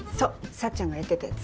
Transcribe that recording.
幸ちゃんがやってたやつ。